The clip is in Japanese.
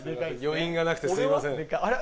余韻がなくてすいませんあれ？